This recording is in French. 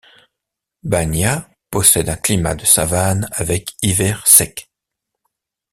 Banya possède un climat de savane avec hiver sec.